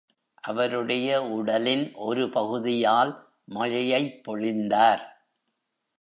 அவருடைய உடலின் ஒரு பகுதியால் மழையைப் பொழிந்தார்.